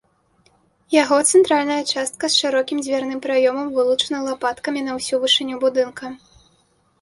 Яго цэнтральная частка з шырокім дзвярным праёмам вылучана лапаткамі на ўсю вышыню будынка.